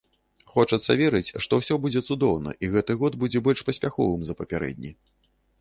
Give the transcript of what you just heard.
Хочацца верыць, што ўсё будзе цудоўна, і гэты год будзе больш паспяховым за папярэдні.